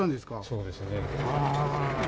そうですね。